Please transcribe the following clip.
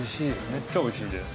めっちゃおいしいで。